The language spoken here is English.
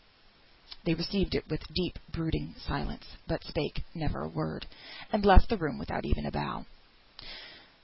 They received it with deep brooding silence, but spake never a word, and left the room without even a bow.